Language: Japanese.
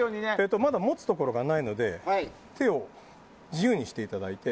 まだ持つところがないので手を自由にしていただいて。